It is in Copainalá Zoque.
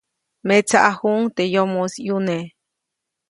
Metsaʼajuʼuŋ teʼ yomoʼis ʼyune.